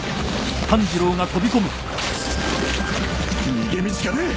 逃げ道がねえ！